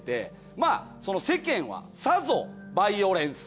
まぁその世間はさぞバイオレンス。